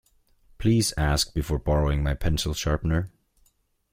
Please ask before borrowing my pencil sharpener.